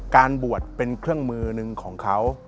การบวชเป็นเครื่องมือหนึ่งของเขา